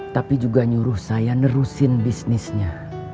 tapi juga nyuruh saya nerusin bisnisnya